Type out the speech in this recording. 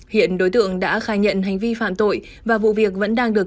hiện đối tượng đã khai nhận hành vi phạm tội và vụ việc vẫn đang được